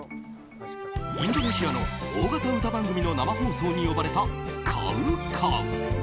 インドネシアの大型歌番組の生放送に呼ばれたＣＯＷＣＯＷ。